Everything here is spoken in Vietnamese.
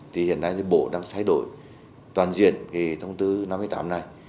thì hiện nay bộ đang thay đổi toàn diện cái thông tư năm mươi tám này